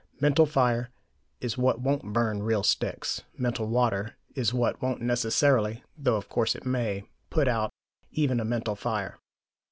Mental fire is what won't burn real sticks; mental water is what won't necessarily (though of course it may) put out even a mental fire....